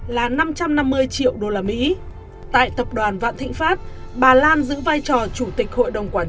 là năm trăm năm mươi triệu đô la mỹ tại tập đoàn vạn thịnh pháp bà lan giữ vai trò chủ tịch hội đồng quản